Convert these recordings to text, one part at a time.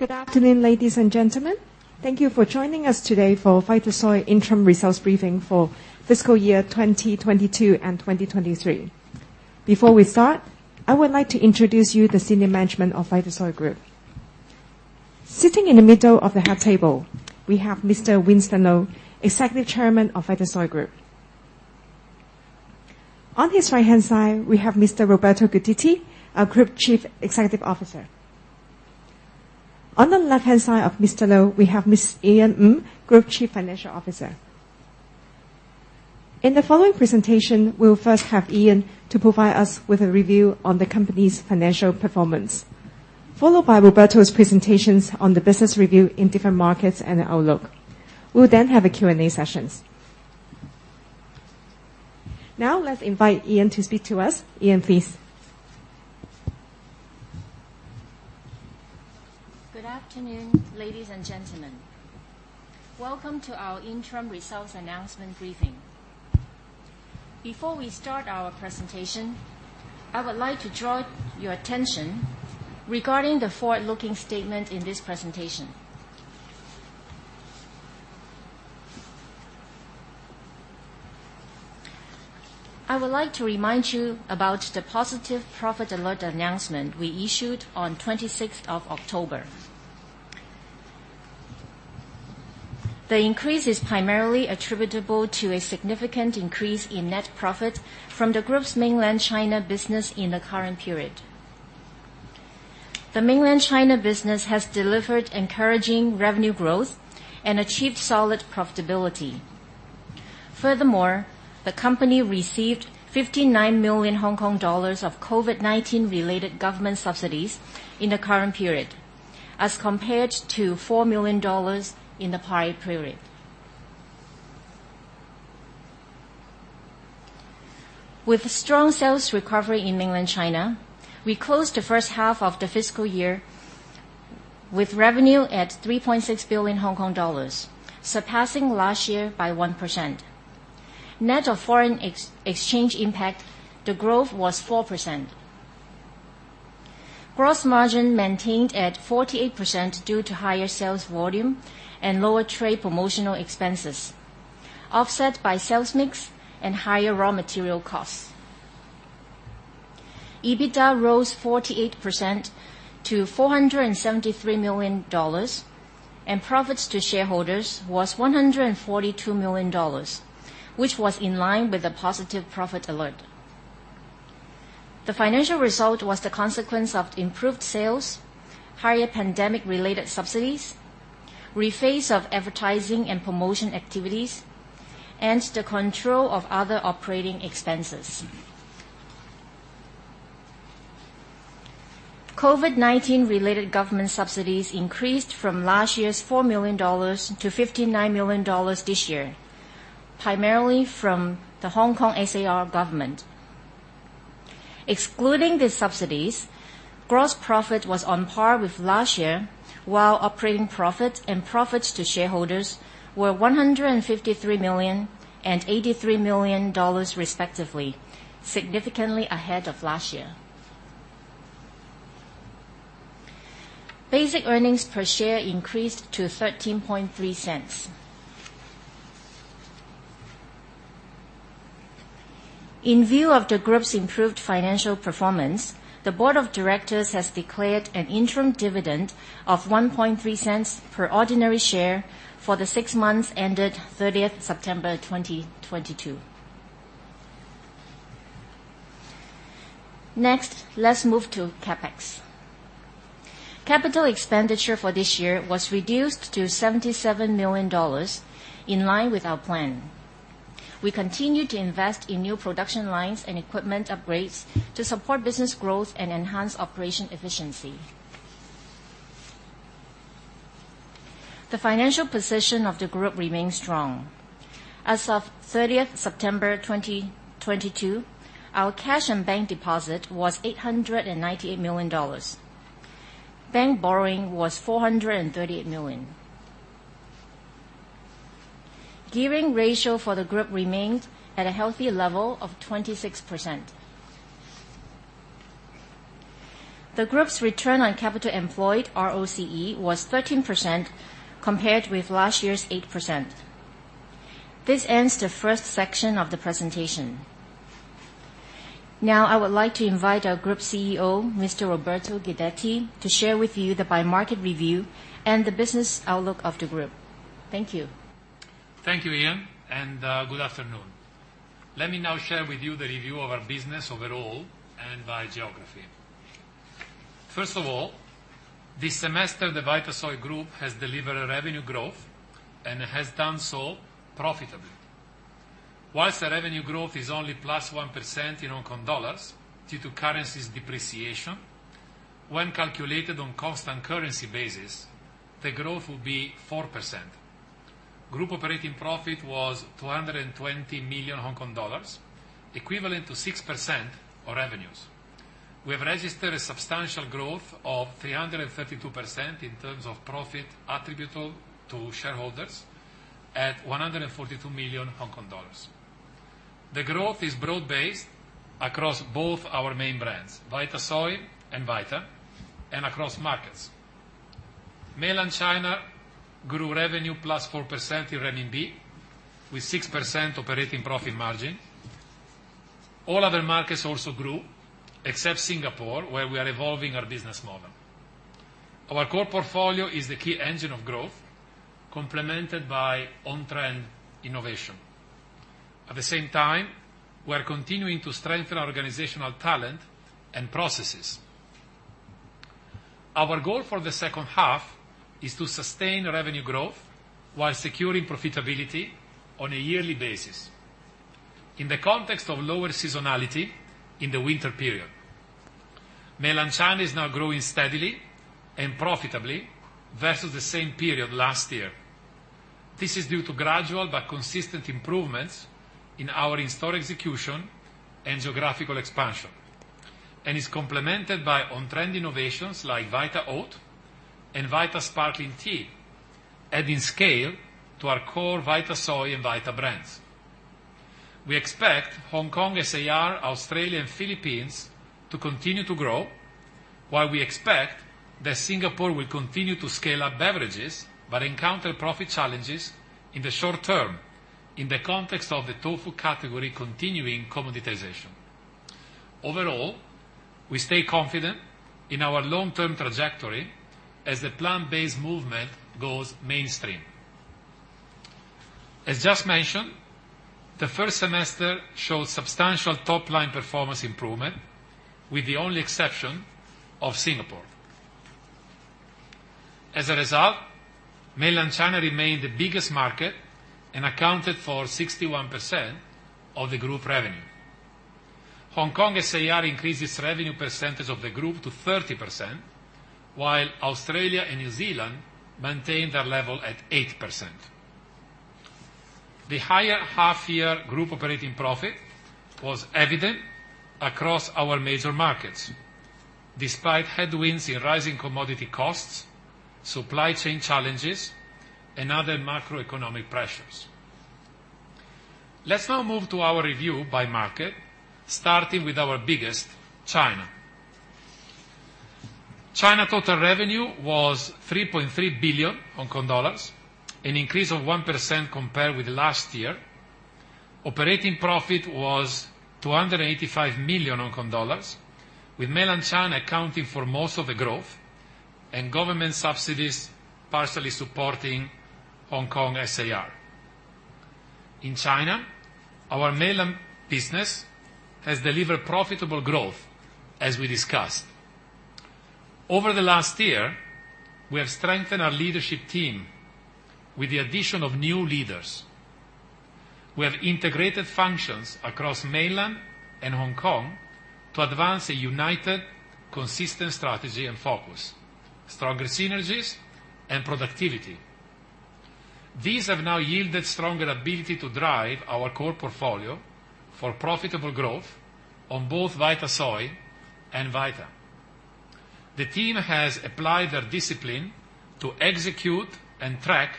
Good afternoon, ladies and gentlemen. Thank you for joining us today for Vitasoy Interim Results briefing for fiscal year 2022 and 2023. Before we start, I would like to introduce you the senior management of Vitasoy Group. Sitting in the middle of the head table, we have Mr. Winston Lo, Executive Chairman of Vitasoy Group. On his right-hand side, we have Mr. Roberto Guidetti, our Group Chief Executive Officer. On the left-hand side of Mr. Lo, we have Ms. Ian Hong Ng, Group Chief Financial Officer. In the following presentation, we'll first have Ian to provide us with a review on the company's financial performance, followed by Roberto's presentations on the business review in different markets and the outlook. We'll then have a Q&A sessions. Now let's invite Ian to speak to us. Ian, please. Good afternoon, ladies and gentlemen. Welcome to our interim results announcement briefing. Before we start our presentation, I would like to draw your attention regarding the forward-looking statement in this presentation. I would like to remind you about the positive profit alert announcement we issued on 26th of October. The increase is primarily attributable to a significant increase in net profit from the group's Mainland China business in the current period. The Mainland China business has delivered encouraging revenue growth and achieved solid profitability. Furthermore, the company received 59 million Hong Kong dollars of COVID-19 related government subsidies in the current period, as compared to 4 million dollars in the prior period. With strong sales recovery in Mainland China, we closed the first half of the fiscal year with revenue at 3.6 billion Hong Kong dollars, surpassing last year by 1%. Net of foreign exchange impact, the growth was 4%. Gross margin maintained at 48% due to higher sales volume and lower trade promotional expenses, offset by sales mix and higher raw material costs. EBITDA rose 48% to HKD 473 million, and profits to shareholders was 142 million dollars, which was in line with the positive profit alert. The financial result was the consequence of improved sales, higher Pandemic-Related subsidies, rephase of advertising and promotion activities, and the control of other operating expenses. COVID-19-related government subsidies increased from last year's 4 million dollars to 59 million dollars this year, primarily from the Hong Kong SAR government. Excluding the subsidies, gross profit was on par with last year, while operating profit and profits to shareholders were 153 million and 83 million dollars respectively, significantly ahead of last year. Basic earnings per share increased to 0.133. In view of the Group's improved financial performance, the Board of Directors has declared an interim dividend of 0.013 per ordinary share for the 6 months ended 30th September 2022. Next, let's move to CapEx. Capital expenditure for this year was reduced to HKD 77 million in line with our plan. We continue to invest in new production lines and equipment upgrades to support business growth and enhance operation efficiency. The financial position of the Group remains strong. As of 30th September 2022, our cash and bank deposit was HKD 898 million. Bank borrowing was HKD 438 million. Gearing ratio for the Group remained at a healthy level of 26%. The Group's return on capital employed, ROCE, was 13% compared with last year's 8%. This ends the first section of the presentation. Now, I would like to invite our Group CEO, Mr. Roberto Guidetti, to share with you the By-Market review and the business outlook of the Group. Thank you. Thank you, Ian, and good afternoon. Let me now share with you the review of our business overall and by geography. First of all, this semester, the Vitasoy Group has delivered a revenue growth and has done so profitably. Whilst the revenue growth is only +1% in Hong Kong dollars due to currency's depreciation, when calculated on constant currency basis, the growth will be 4%. Group operating profit was 220 million Hong Kong dollars, equivalent to 6% of revenues. We have registered a substantial growth of 332% in terms of profit attributable to shareholders at 142 million Hong Kong dollars. The growth is Broad-Based across both our main brands, Vitasoy and VITA, and across markets. Mainland China grew revenue +4% in renminbi, with 6% operating profit margin. All other markets also grew, except Singapore, where we are evolving our business model. Our core portfolio is the key engine of growth, complemented by On-Trend innovation. At the same time, we are continuing to strengthen our organizational talent and processes. Our goal for the second half is to sustain revenue growth while securing profitability on a yearly basis in the context of lower seasonality in the winter period. Mainland China is now growing steadily and profitably versus the same period last year. This is due to gradual but consistent improvements in our in-store execution and geographical expansion, and is complemented by On-Trend innovations like Vitasoy and VITA Sparkling Tea, adding scale to our core Vitasoy and VITA brands. We expect Hong Kong SAR, Australia, and Philippines to continue to grow, while we expect that Singapore will continue to scale up beverages but encounter profit challenges in the short term in the context of the tofu category continuing commoditization. Overall, we stay confident in our Long-Term trajectory as the Plant-Based movement goes mainstream. As just mentioned, the first semester showed substantial Top-Line performance improvement, with the only exception of Singapore. As a result, Mainland China remained the biggest market and accounted for 61% of the Group revenue. Hong Kong SAR increased its revenue percentage of the Group to 30%, while Australia and New Zealand maintained their level at 8%. The higher half-year Group operating profit was evident across our major markets, despite headwinds in rising commodity costs, supply chain challenges, and other macroeconomic pressures. Let's now move to our review by market, starting with our biggest, China. China total revenue was 3.3 billion Hong Kong dollars, an increase of 1% compared with last year. Operating profit was 285 million Hong Kong dollars, with Mainland China accounting for most of the growth and government subsidies partially supporting Hong Kong SAR. In China, our Mainland business has delivered profitable growth, as we discussed. Over the last year, we have strengthened our leadership team with the addition of new leaders. We have integrated functions across Mainland and Hong Kong to advance a united, consistent strategy and focus, stronger synergies, and productivity. These have now yielded stronger ability to drive our core portfolio for profitable growth on both Vitasoy and VITA. The team has applied their discipline to execute and track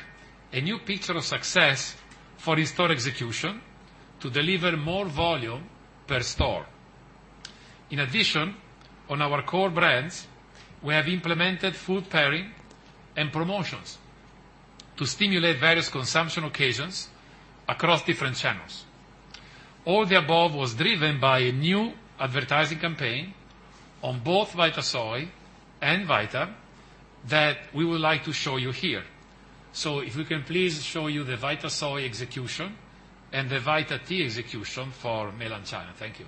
a new picture of success for in-store execution to deliver more volume per store. In addition, on our core brands, we have implemented food pairing and promotions to stimulate various consumption occasions across different channels. All the above was driven by a new advertising campaign on both Vitasoy and VITA that we would like to show you here. If we can please show you the Vitasoy execution and the VITA Tea execution for Mainland China. Thank you.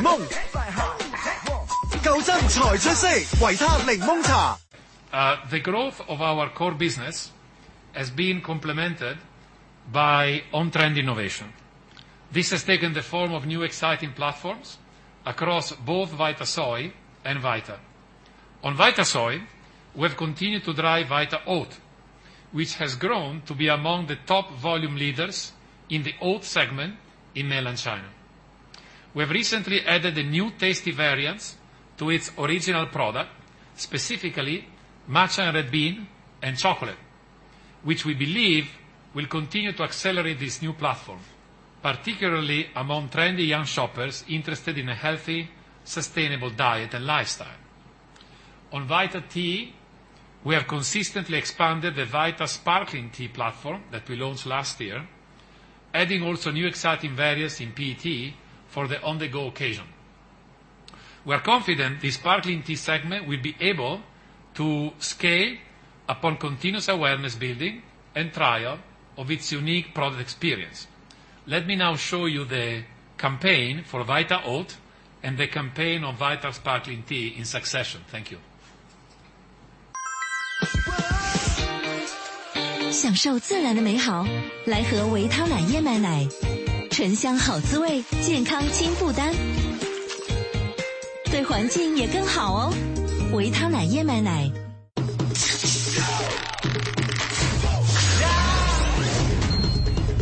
The growth of our core business has been complemented by On-Trend innovation. This has taken the form of new exciting platforms across both Vitasoy and VITA. On Vitasoy, we have continued to drive Vitasoy Oat, which has grown to be among the top volume leaders in the oat segment in Mainland China. We have recently added new tasty variants to its original product, specifically matcha red bean and chocolate, which we believe will continue to accelerate this new platform, particularly among trendy young shoppers interested in a healthy, sustainable diet and lifestyle. On VITA Tea, we have consistently expanded the VITA Sparkling Tea platform that we launched last year, adding also new exciting variants in PET for the On-The-Go occasion. We are confident the sparkling tea segment will be able to scale upon continuous awareness building and trial of its unique product experience. Let me now show you the campaign for Vitasoy Oat and the campaign on VITA Sparkling Tea in succession. Thank you. 享受自然的美好。來喝維他奶椰奶純香好滋味，健康輕負擔。對環境也更好哦！維他奶椰奶。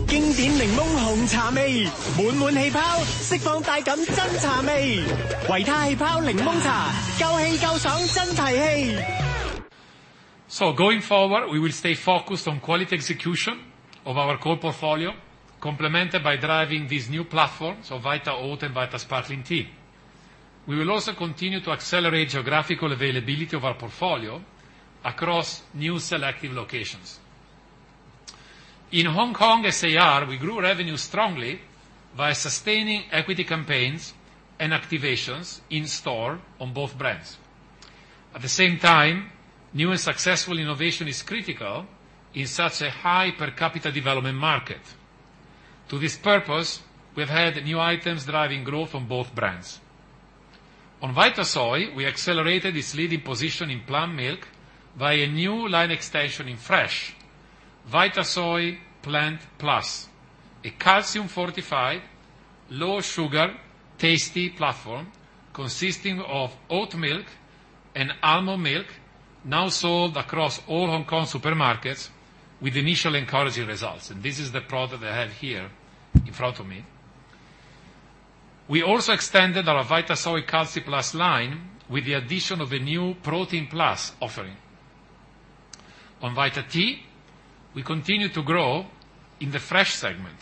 經典檸檬紅茶味，滿滿氣泡，釋放帶感真茶味。維他氣泡檸檬茶，夠氣，夠爽，真提氣！ Going forward, we will stay focused on quality execution of our core portfolio, complemented by driving these new platforms of Vitasoy and VITA Sparkling Tea. We will also continue to accelerate geographical availability of our portfolio across new selective locations. In Hong Kong SAR, we grew revenue strongly by sustaining equity campaigns and activations in-store on both brands. At the same time, new and successful innovation is critical in such a high per capita development market. To this purpose, we've had new items driving growth on both brands. On Vitasoy, we accelerated its leading position in plant milk by a new line extension in fresh, Vitasoy Plant+, a Calcium-Fortified, Low-Sugar, tasty platform consisting of oat milk and almond milk, now sold across all Hong Kong supermarkets with initial encouraging results. This is the product I have here in front of me. We also extended our Vitasoy Calci-Plus line with the addition of a new Protein Plus offering. On VITATea, we continue to grow in the fresh segment,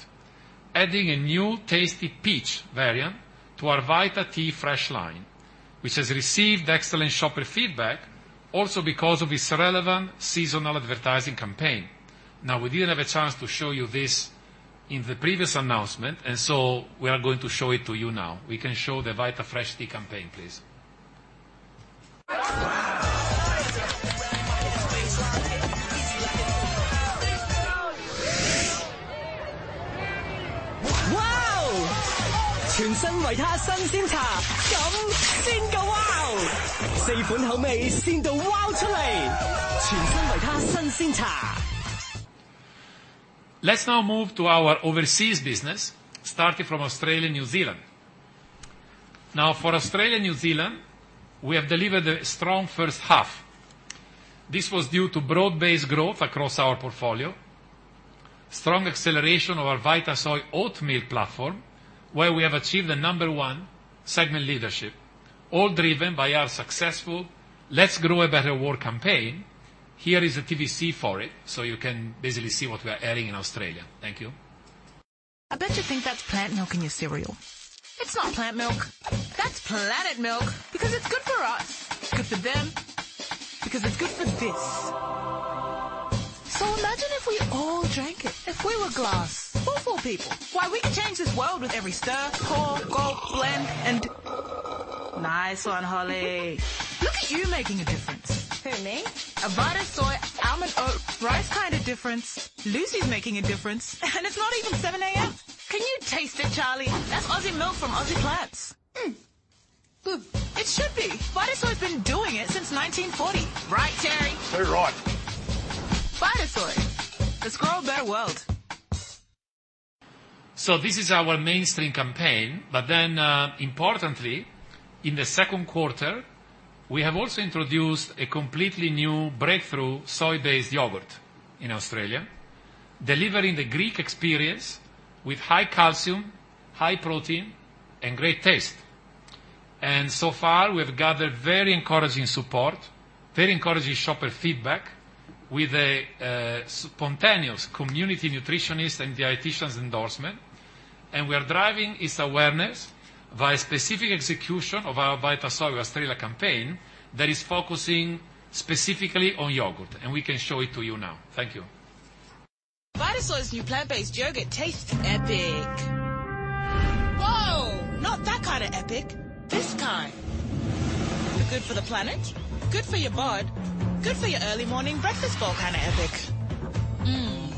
adding a new tasty peach variant to our Vita Fresh Tea line, which has received excellent shopper feedback also because of its relevant seasonal advertising campaign. Now, we didn't have a chance to show you this in the previous announcement, and so we are going to show it to you now. We can show the Vita Fresh Tea campaign, please. Wow！全新維他新鮮茶，這樣真夠Wow！四款口味，鮮到Wow出來，全新維他新鮮茶。Let's now move to our overseas business, starting from Australia and New Zealand. Now, for Australia and New Zealand, we have delivered a strong first half. This was due to broad-based growth across our portfolio, strong acceleration of our Vitasoy Oat Milk platform, where we have achieved the number 1 segment leadership, all driven by our successful Let's Grow a Better World campaign. Here is a TVC for it, so you can basically see what we are airing in Australia. Thank you. I bet you think that's plant milk in your cereal. It's not plant milk. That's planet milk, because it's good for us. It's good for them, because it's good for this. Imagine if we all drank it. Every glass. For people. Why, we could change this world with every stir, pour, gulp, blend. Nice 1, Holly. Look at you making a difference. Who, me? A Vitasoy almond, oat, rice kind of difference. Lucy's making a difference, and it's not even 7:00 A.M. Can you taste it, Charlie? That's Aussie milk from Aussie plants. It should be. Vitasoy's been doing it since 1940. Right, Terry? Too right. Vitasoy. Let's Grow a Better World. This is our mainstream campaign. Importantly, in the second 1/4, we have also introduced a completely new breakthrough Soy-Based yogurt in Australia, delivering the Greek experience with high calcium, high protein, and great taste. So far, we have gathered very encouraging support, very encouraging shopper feedback, with a spontaneous community nutritionist and dietitians' endorsement. We are driving its awareness via specific execution of our Vitasoy Australia campaign that is focusing specifically on yogurt, and we can show it to you now. Thank you. Vitasoy's new plant-based yogurt tastes epic. Whoa. Not that kind of epic. This kind. Good for the planet, good for your bod, good for your early morning breakfast bowl kind of epic.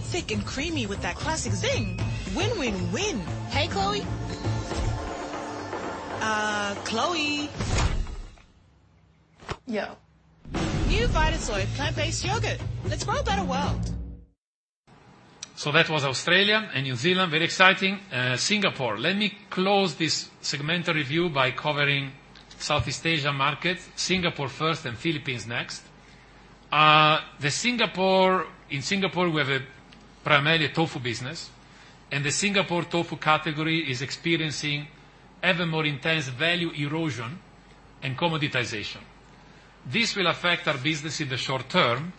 Thick and creamy with that classic zing. Win-Win-Win. Hey, Chloe. Yo. New Vitasoy plant-based yogurt. Let's Grow a Better World. That was Australia and New Zealand. Very exciting. Singapore. Let me close this segment review by covering Southeast Asia markets, Singapore first and Philippines next. In Singapore, we have primarily a tofu business, and the Singapore tofu category is experiencing ever more intense value erosion and commoditization. This will affect our business in the short term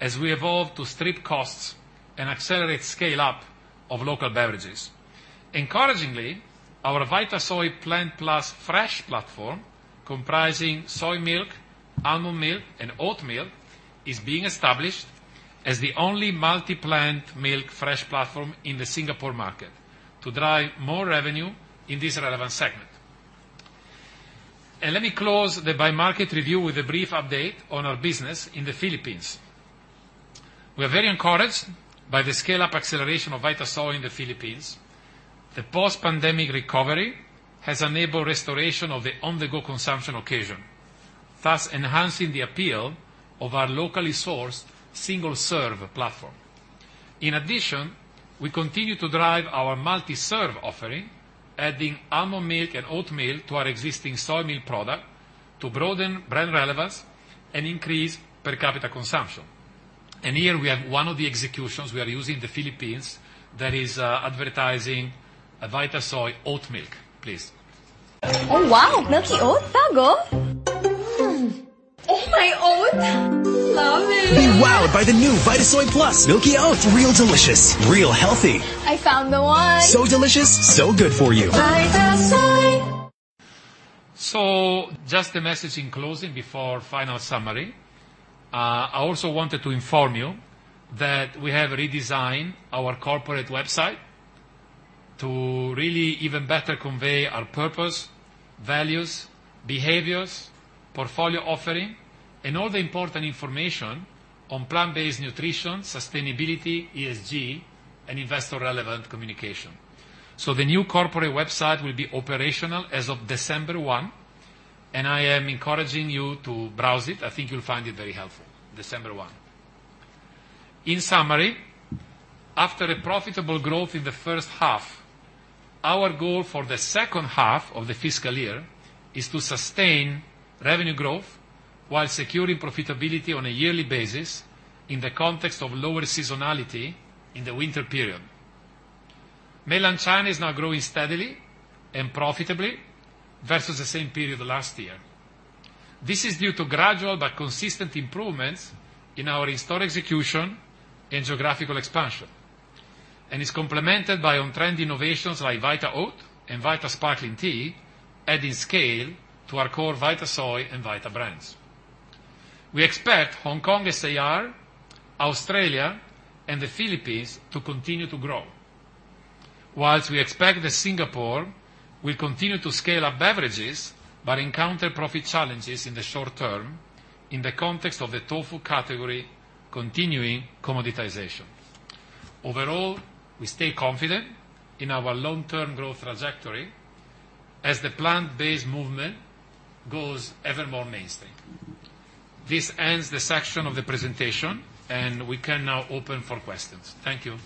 as we evolve to strip costs and accelerate Scale-Up of local beverages. Encouragingly, our Vitasoy Plant+ fresh platform, comprising soy milk, almond milk, and oat milk, is being established as the only Multi-Plant milk fresh platform in the Singapore market to drive more revenue in this relevant segment. Let me close the by-market review with a brief update on our business in the Philippines. We are very encouraged by the Scale-Up acceleration of Vitasoy in the Philippines. The post-pandemic recovery has enabled restoration of the On-The-Go consumption occasion, thus enhancing the appeal of our locally sourced Single-Serve platform. In addition, we continue to drive our Multi-Serve offering, adding almond milk and oat milk to our existing soy milk product to broaden brand relevance and increase per capita consumption. Here we have 1 of the executions we are using in the Philippines that is advertising a Vitasoy Oat Milk. Please. Oh, wow. Milky oat? Totally. Oh my oat. Lovely. Be wowed by the new Vitasoy Plus Milky Oat. Real delicious, real healthy. I found the 1. So delicious, so good for you. Vitasoy. Just a message in closing before final summary. I also wanted to inform you that we have redesigned our corporate website to really even better convey our purpose, values, behaviors, portfolio offering, and all the important information on plant-based nutrition, sustainability, ESG, and investor relevant communication. The new corporate website will be operational as of December 1, and I am encouraging you to browse it. I think you'll find it very helpful, December 1. In summary, after a profitable growth in the first half, our goal for the second half of the fiscal year is to sustain revenue growth while securing profitability on a yearly basis in the context of lower seasonality in the winter period. Mainland China is now growing steadily and profitably versus the same period last year. This is due to gradual but consistent improvements in our in-store execution and geographical expansion, and is complemented by On-Trend innovations like Vitasoy Oat and VITA Sparkling Tea, adding scale to our core Vitasoy and VITA brands. We expect Hong Kong SAR, Australia, and the Philippines to continue to grow. Whilst we expect that Singapore will continue to scale up beverages but encounter profit challenges in the short term in the context of the tofu category continuing commoditization. Overall, we stay confident in our Long-Term growth trajectory as the Plant-Based movement goes evermore mainstream. This ends this section of the presentation, and we can now open for questions. Thank you.